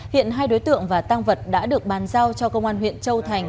hiện hai đối tượng và tăng vật đã được bàn giao cho công an huyện châu thành